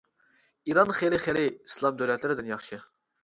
ئىران خىلى خىلى ئىسلام دۆلەتلىرىدىن ياخشى.